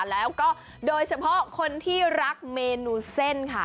แล้วก็โดยเฉพาะคนที่รักเมนูเส้นค่ะ